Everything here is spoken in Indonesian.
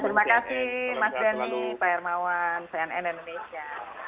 terima kasih mas dhani pak hermawan cnn indonesia